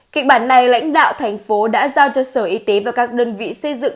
kịch bản này lãnh đạo thành phố đã giao cho sở y tế và các đơn vị xây dựng